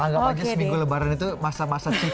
anggap aja seminggu lebaran itu masa masa kita